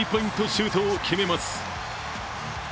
シュートを決めます。